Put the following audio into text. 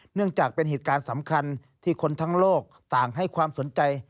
เนื่องจากเป็นเหตุการณ์สำคัญที่คนทั้งโลกต่างให้ความสนใจ